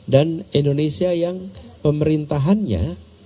dan indonesia yang pemerintahannya